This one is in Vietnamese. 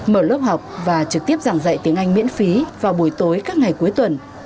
mở lớp học và trực tiếp giảng dạy tiếng anh miễn phí vào buổi tối các ngày cuối tuần